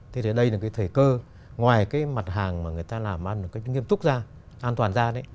thế thì đây là cái thời cơ ngoài cái mặt hàng mà người ta làm ăn nghiêm túc ra an toàn ra